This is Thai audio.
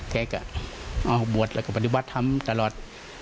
แม่นออกบทและปฏิวัติทำตลอด